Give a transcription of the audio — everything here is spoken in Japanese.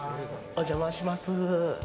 お邪魔します。